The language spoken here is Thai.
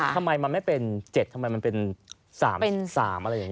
ทำไมมันไม่เป็น๗ทำไมมันเป็น๓เป็น๓อะไรอย่างนี้